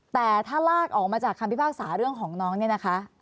แต่ถ้าลากออกมาจากคำพิพากษาเรื่องของน้องเนี่ยนะคะ